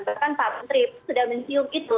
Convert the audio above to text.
bahkan pak menteri sudah mencium itu